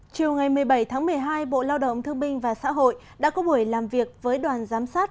chiều ngày một mươi bảy tháng một mươi hai bộ lao động thương binh và xã hội đã có buổi làm việc với đoàn giám sát